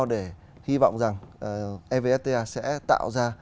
để hy vọng evfta sẽ tạo ra